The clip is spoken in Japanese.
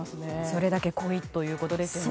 それだけ濃いということですね。